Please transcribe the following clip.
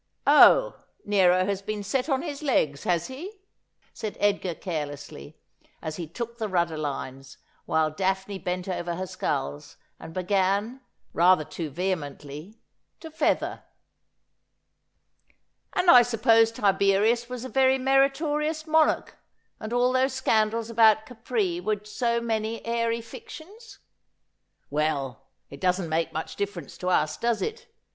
' Oh, Nero has been set on his legs, has he ?' said Edgar carelessly, as he took the rudder lines, while Daphne bent over her sculls, and began — rather too vehemently — to feather. 'His Herts lathed in a Bath of Blisse.^ 81 ' And I suppose Tiberius was a very meritorious monarch, and all those scandals about Capri were so many airy fictions? Well, it doesn't make much difEerence to us, does it?